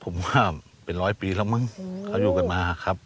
ผมว่าเป็นร้อยปีแล้วมั้งเขาอยู่กันมาครับ